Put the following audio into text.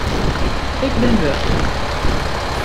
Ik bin wurch.